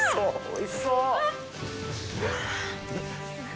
おいしそう。